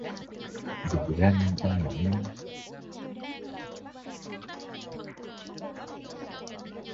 Vì răng anh bỏ em